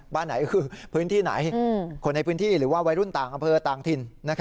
บ้านไหนคือพื้นที่ไหนคนในพื้นที่หรือว่าวัยรุ่นต่างอำเภอต่างถิ่น